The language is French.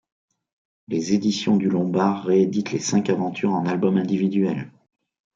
Les Éditions du Lombard rééditent les cinq aventures en albums individuels.